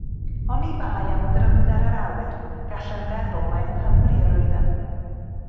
Oni bai am drymder yr awyr, gallem feddwl mai yng Nghymru yr oeddem.